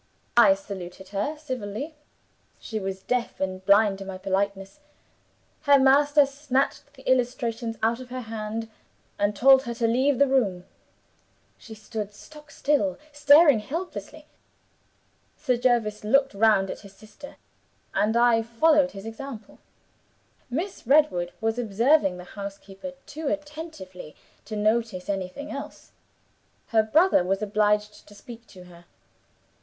I saluted her civilly she was deaf and blind to my politeness. Her master snatched the illustrations out of her hand, and told her to leave the room. She stood stockstill, staring helplessly. Sir Jervis looked round at his sister; and I followed his example. Miss Redwood was observing the housekeeper too attentively to notice anything else; her brother was obliged to speak to her.